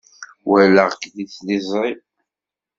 Walaɣ-k deg tliẓri.